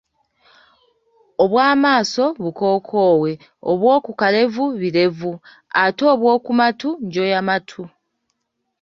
Obw’amaaso bukowekowe obw’okukalevu birevu ate obw’oku matu njoyamatu.